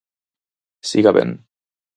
–Siga ben.